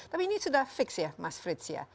tapi ini sudah fix ya mas frits ya